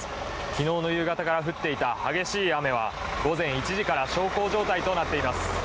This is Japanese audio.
昨日の夕方から降っていた激しい雨は午前１時から小康状態となっています。